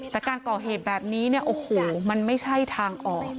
แต่การก่อเหตุแบบนี้เนี่ยโอ้โหมันไม่ใช่ทางออก